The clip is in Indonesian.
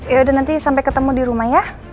ya udah nanti sampai ketemu di rumah ya